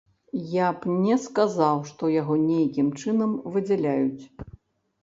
Я б не сказаў, што яго нейкім чынам выдзяляюць.